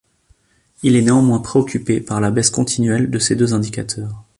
Il est néanmoins préoccupé par la baisse continuelle de ces deux indicateurs.